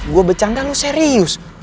gua bercanda lu serius